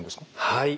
はい。